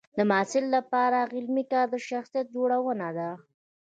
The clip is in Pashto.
د محصل لپاره علمي کار د شخصیت جوړونه ده.